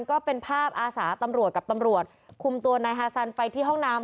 ก็เป็นภาพอาสาตำรวจกับตำรวจคุมตัวนายฮาซันไปที่ห้องน้ำ